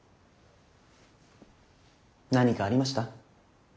何かありました？